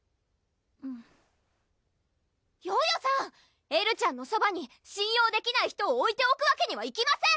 うんヨヨさんエルちゃんのそばに信用できない人をおいておくわけにはいきません